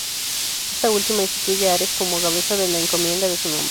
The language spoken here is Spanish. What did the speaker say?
Esta última, instituye Ares como cabeza de la Encomienda de su nombre.